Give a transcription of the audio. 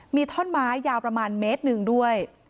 มีท่อนไม้ยาวประมาณเมตรหนึ่งด้วย